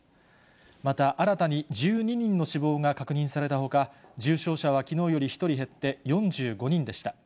また新たに１２人の死亡が確認されたほか、重症者はきのうより１人減って４５人でした。